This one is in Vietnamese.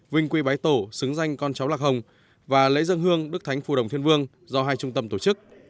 vinh quy bái tổ xứng danh con cháu lạc hồng và lễ dân hương đức thánh phù đồng thiên vương do hai trung tâm tổ chức